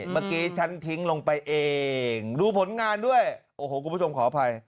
เมื่อกี้ฉันทิ้งลงไปเองดูผลงานด้วยโอ้โหคุณผู้ชมขออภัย